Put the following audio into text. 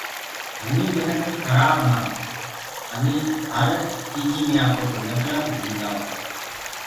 همينٚ منک کرآب هآن همينٚ هر چيجيٚ مي آپوڪو متلب ڍونٚڊدآئونٚ